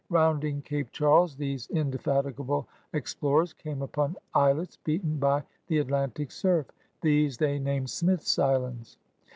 Rounding Cape Charles these in defatigable explorers came upon islets beaten by the Atlantic surf. These they named Smith's Islands.